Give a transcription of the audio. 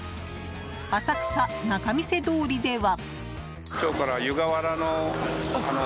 浅草・仲見世通りでは。